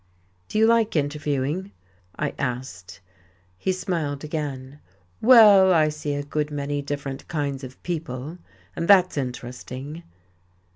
"Do you like interviewing?" I asked. He smiled again. "Well, I see a good many different kinds of people, and that's interesting."